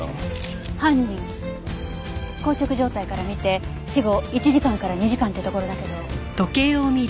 硬直状態から見て死後１時間から２時間ってところだけど。